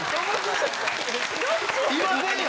いませんよ！